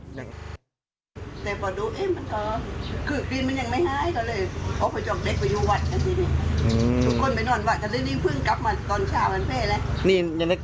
แต่บอกดูคือกลีนมันยังไม่หาย